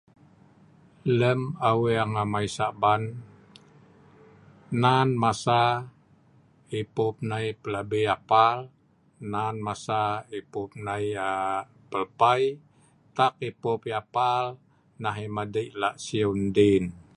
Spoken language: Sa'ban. Lem Aweng amai saban, nan masa(parab) ipup nai pelabi apal, nan masa(parab ipup nai pelpai. Nga ipup ai apal nah lak madei siu ai lak ndin